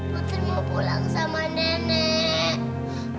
putin mau pulang sama nenek